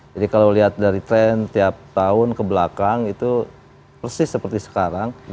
jadi kalau lihat dari tren setiap tahun ke belakang itu persis seperti sekarang